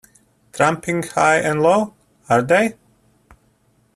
Tramping high and low, are they?